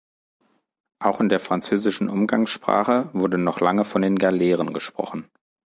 Auch in der französischen Umgangssprache wurde noch lange von den Galeeren gesprochen.